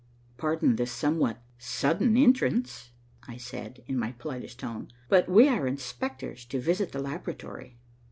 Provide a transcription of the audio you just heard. "Pardon this somewhat sudden entrance," I said, in my politest tone, "but we are inspectors to visit the laboratory."